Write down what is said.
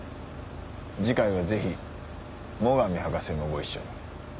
次回はぜひ最上博士もご一緒に。